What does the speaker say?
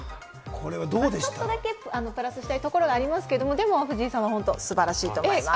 ちょっとプラスしたいところもありますけれども、藤井さんは本当に素晴らしいと思います。